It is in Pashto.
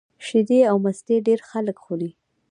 شیدې او مستې ډېری خلک خوري